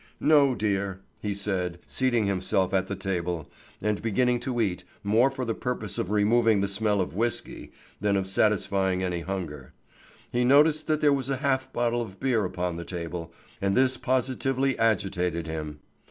"No, dear," he said, seating himself at the table, and beginning to eat, more for the purpose of removing the smell of whisky than of satisfying any hunger. He noticed that there was a half bottle of beer upon the table, and this positively agitated him.